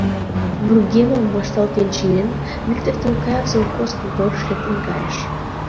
Вургемым вашталтен чиен, Виктыр Тулкаев совхоз конторыш лектын кайыш.